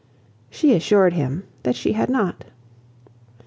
She assured him that she had not.